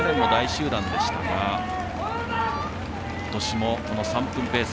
去年も大集団でしたが今年も３分ペース